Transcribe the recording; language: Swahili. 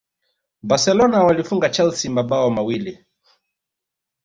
barcelona walifunga chelsea mabao mawili